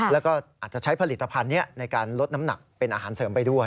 แล้วก็อาจจะใช้ผลิตภัณฑ์นี้ในการลดน้ำหนักเป็นอาหารเสริมไปด้วย